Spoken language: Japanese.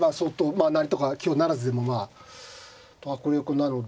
まあ成りとか香不成でもまあ迫力なので。